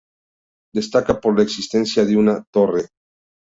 Destaca por la existencia de una torre.